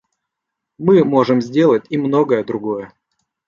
Мы можем сделать и многое другое.